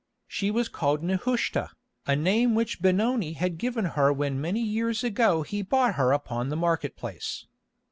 She was called Nehushta, a name which Benoni had given her when many years ago he bought her upon the market place.